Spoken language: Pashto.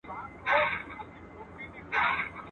o لوى ئې پر کور کوي، کوچنی ئې پر بېبان.